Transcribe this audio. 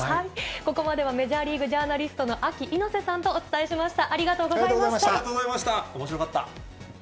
ここまではメジャーリーグジャーナリストのアキ猪瀬さんとお伝えしました。